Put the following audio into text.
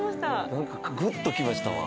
なんかグッときましたわ。